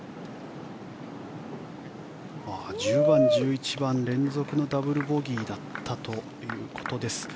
１０番、１１番連続のダブルボギーだったということです。